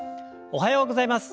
おはようございます。